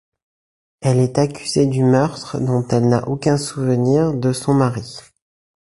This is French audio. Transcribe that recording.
Elle est accusée du meurtre, dont elle n'a aucun souvenir, de son mari.